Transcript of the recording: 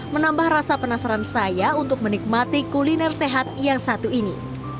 menambah rasa penasaran saya untuk menikmati kuliner sehat yang satu ini